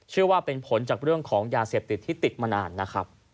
ว่าเป็นผลจากเรื่องของยาเสพติดที่ติดมานานนะครับ